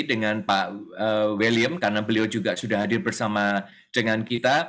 dengan pak william karena beliau juga sudah hadir bersama dengan kita